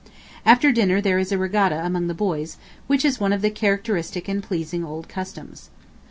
After dinner there is a regatta among the boys, which is one of the characteristic and pleasing old customs.